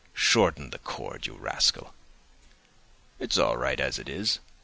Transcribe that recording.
Shorten the cord, you rascal.' 'It's all right as it is.